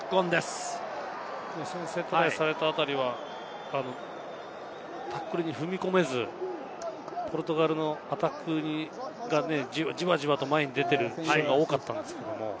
最初に先制トライされたあたりはタックルに踏み込めず、ポルトガルのアタックにじわじわ前に出ているシーンが多かったんですけど。